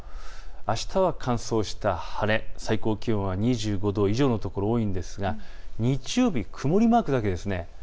あしたは乾燥した晴れ、最高気温は２５度以上の所が多いんですが日曜日、曇りマークが出ています。